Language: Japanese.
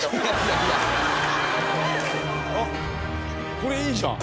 あっこれいいじゃん。